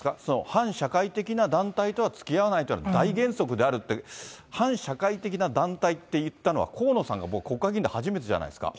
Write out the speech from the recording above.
反社会的な団体とはつきあわないというのは大原則であると、反社会的な団体って言ったのは、河野さんが僕、国会議員で初めてじゃないですか。